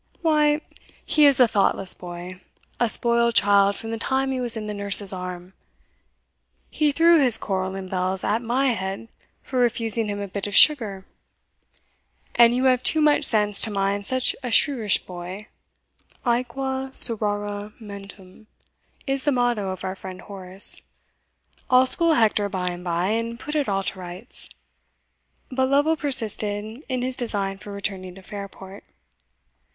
Why, he is a thoughtless boy a spoiled child from the time he was in the nurse's arms he threw his coral and bells at my head for refusing him a bit of sugar; and you have too much sense to mind such a shrewish boy: aequam servare mentem is the motto of our friend Horace. I'll school Hector by and by, and put it all to rights." But Lovel persisted in his design of returning to Fairport.